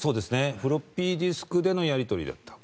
フロッピーディスクでのやり取りだった。